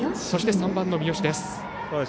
そして３番の三好です。